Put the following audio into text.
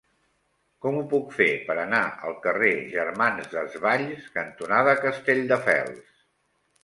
Com ho puc fer per anar al carrer Germans Desvalls cantonada Castelldefels?